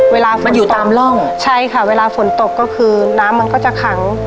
เวลามันอยู่ตามร่องใช่ค่ะเวลาฝนตกก็คือน้ำมันก็จะขัง